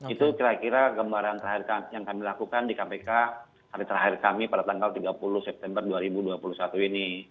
itu kira kira gambaran terakhir yang kami lakukan di kpk hari terakhir kami pada tanggal tiga puluh september dua ribu dua puluh satu ini